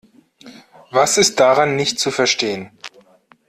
Was ist daran nicht zu verstehen?